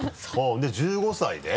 で１５歳で？